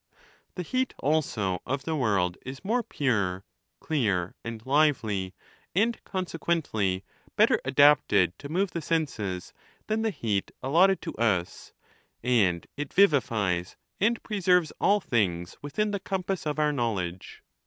The heat also of the world is more pure, clear, and live ly, and, consequently, better adapted to move the senses than the heat allotted to us ; and it vivifies and preserves all things within the compass of our knowledge.